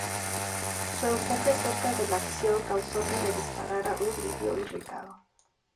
Su enfoque cerca-de-la-acción causó que le disparará un "libio irritado".